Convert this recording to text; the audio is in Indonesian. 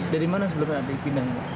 dari mana sebenarnya ada pembinaan